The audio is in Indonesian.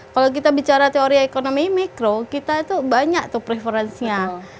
kalau kita bicara teori ekonomi mikro kita itu banyak tuh preferensinya